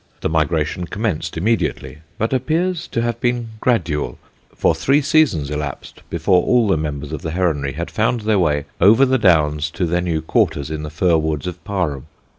The migration commenced immediately, but appears to have been gradual; for three seasons elapsed before all the members of the heronry had found their way over the Downs to their new quarters in the fir woods of Parham.